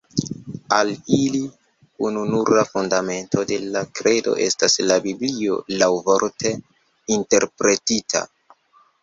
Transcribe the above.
Al ili ununura fundamento de la kredo estas la Biblio laŭvorte interpretita.